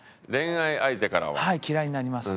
嫌いになります。